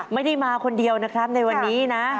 ไม่ได้มาคนเดียวนะครับในวันนี้นะ